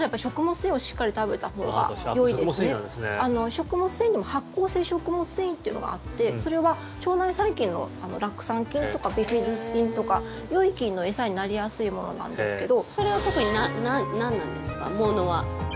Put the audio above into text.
食物繊維にも発酵性食物繊維というのがあってそれは腸内細菌の酪酸菌とかビフィズス菌とかよい菌の餌になりやすいものなんですけど。